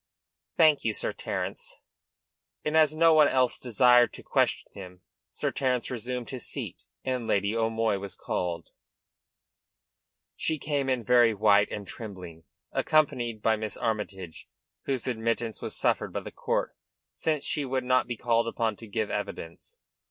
"Thank you, Sir Terence." And, as no one else desired to question him, Sir Terence resumed his seat, and Lady O'Moy was called. She came in very white and trembling, accompanied by Miss Armytage, whose admittance was suffered by the court, since she would not be called upon to give evidence.